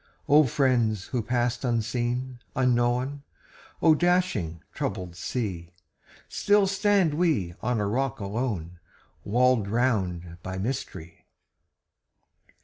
O friends who passed unseen, unknown! O dashing, troubled sea! Still stand we on a rock alone, Walled round by mystery.